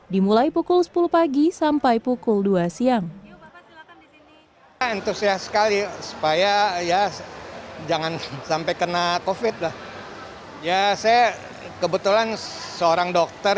dimulai pukul sepuluh pagi sampai pukul dua siang